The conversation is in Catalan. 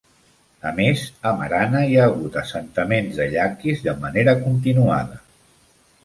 A més, a Marana hi ha hagut assentaments de yaquis de manera continuada.